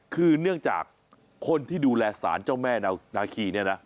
คือเนื่องจากคนที่ดูแลสารเจ้าแม่นาคีเนี่ยนะ